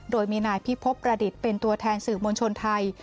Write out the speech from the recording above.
โดยมีนายพิพบประดิษฐ์เป็นตัวแทนสื่อมวลชนไทย